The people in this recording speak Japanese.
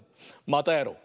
またやろう！